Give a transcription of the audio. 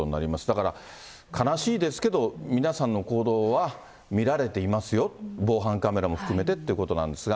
だから、悲しいですけど、皆さんの行動は見られていますよ、防犯カメラも含めてっていうことなんですが。